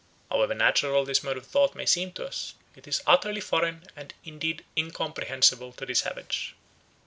However natural this mode of thought may seem to us, it is utterly foreign and indeed incomprehensible to the savage.